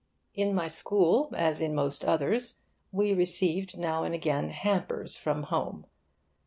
In my school, as in most others, we received now and again 'hampers' from home.